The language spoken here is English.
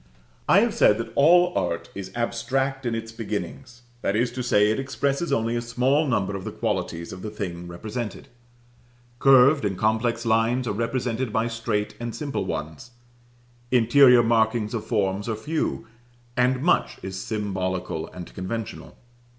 I have said that all art is abstract in its beginnings; that is to say, it expresses only a small number of the qualities of the thing represented. Curved and complex lines are represented by straight and simple ones; interior markings of forms are few, and much is symbolical and conventional.